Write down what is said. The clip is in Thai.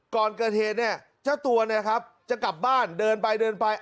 ก่อนเกิดเหตุเนี่ยเจ้าตัวเนี่ยครับจะกลับบ้านเดินไปเดินไป